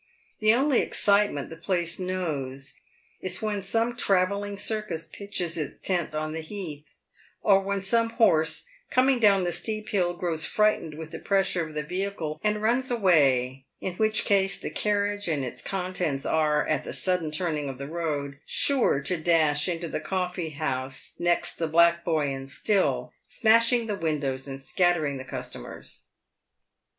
The only excitement the place knows is when some travelling circus pitches its tent on the heath, or when some horse, coming down the steep hill, grows frightened with the pressure of the vehicle, and runs away, in which case the carriage and its contents are — at the sudden turning of the road — sure to dash into the coffee house next the Black Boy and Still, smashing the windows and scattering the customers.